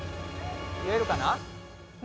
言えるかな？